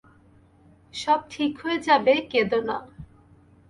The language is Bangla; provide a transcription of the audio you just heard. সব ঠিক হয়ে যাবে কেদো না।